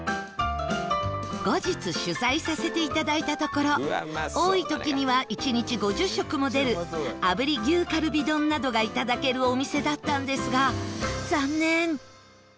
後日取材させていただいたところ多い時には１日５０食も出る炙り牛カルビ丼などがいただけるお店だったんですが残念！